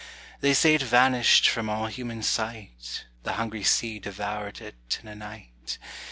They say it vanished from all human sight, The hungry sea devoured it in a night.